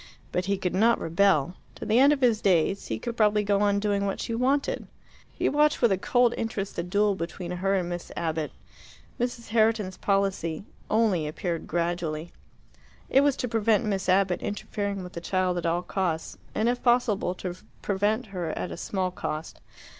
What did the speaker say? But he could not rebel. To the end of his days he could probably go on doing what she wanted. He watched with a cold interest the duel between her and Miss Abbott. Mrs. Herriton's policy only appeared gradually. It was to prevent Miss Abbott interfering with the child at all costs, and if possible to prevent her at a small cost.